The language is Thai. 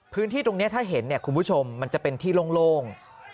พื้นที่ตรงนี้ถ้าเห็นเนี่ยคุณผู้ชมมันจะเป็นที่โล่ง